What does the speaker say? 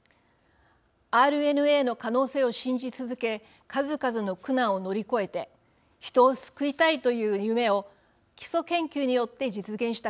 ＲＮＡの可能性を信じ続け数々の苦難を乗り越えて人を救いたいという夢を基礎研究によって実現したカリコさん。